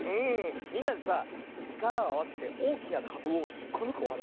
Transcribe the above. みんなでさちからをあわせておおきなかぶをひっこぬくおはなしだよね。